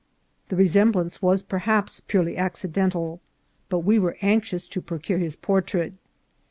The resemblance was perhaps purely accidental, but we were anxious to pro cure his portrait.